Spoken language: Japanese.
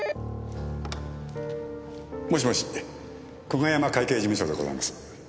もしもし久我山会計事務所でございます。